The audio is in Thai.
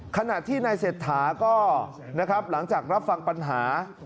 ขณะที่ในเศรษฐาก็หลังจากรับฟังปัญหา